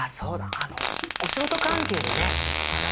あのお仕事関係でねあの。